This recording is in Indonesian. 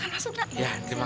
waalaikumsalam eh ma